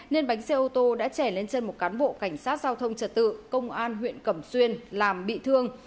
nên bánh xe ô tô đã trẻ lên chân một cán bộ cảnh sát giao thông trật tự công an huyện cẩm xuyên làm bị thương